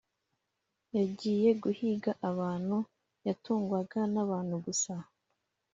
yagiye guhiga abantu; yatungwaga n' abantu gusa